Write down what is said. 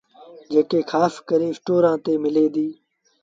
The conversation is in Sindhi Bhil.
جيڪي کآس ڪري اسٽورآݩ تي مليٚن ديٚݩ۔